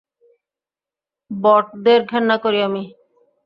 বটদের ঘেন্না করি আমি!